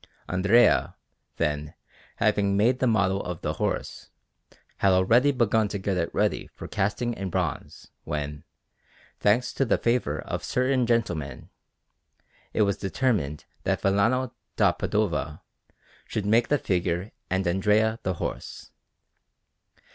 Andrea, then, having made the model of the horse, had already begun to get it ready for casting in bronze, when, thanks to the favour of certain gentlemen, it was determined that Vellano da Padova should make the figure and Andrea the horse.